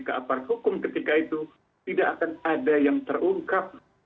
ke aparat hukum ketika itu tidak akan ada yang terungkap